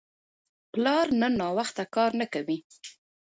پلار نن ناوخته کار نه کوي.